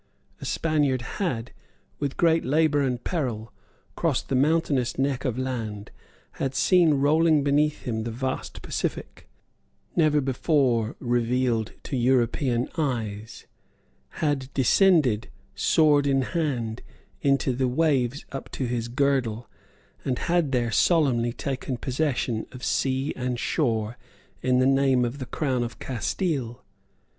A Spaniard had, with great labour and peril, crossed the mountainous neck of land, had seen rolling beneath him the vast Pacific, never before revealed to European eyes, had descended, sword in hand, into the waves up to his girdle, and had there solemnly taken possession of sea and shore in the name of the Crown of Castile.